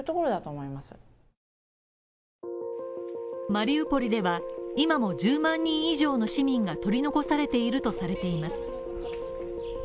マリウポリでは、今も１０万人以上の市民が取り残されているとされています。